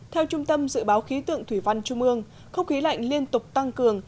theo trung tâm dự báo khí tượng thủy văn trung ương không khí lạnh liên tục tăng cường